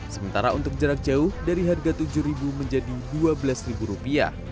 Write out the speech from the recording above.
sementara untuk jarak jauh dari harga tujuh menjadi dua belas rupiah